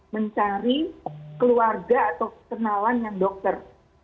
mencari keluarga atau kenalan yang dokter